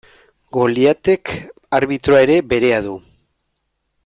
Goliatek arbitroa ere berea du.